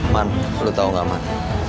man lu tau gak man